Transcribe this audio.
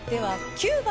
９番！